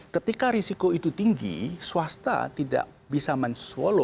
ketika risiko itu tinggi swasta tidak bisa menswallow